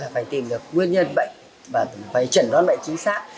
phải tìm được nguyên nhân bệnh và phải chẩn đoán bệnh chính xác